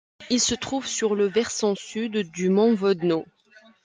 Il se trouve sur le versant sud du mont Vodno.